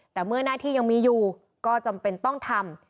แต่เมื่อหน้าที่ยังมีอยู่ก็จำเป็นต้องทำ